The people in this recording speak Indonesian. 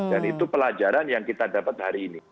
dan itu pelajaran yang kita dapat hari ini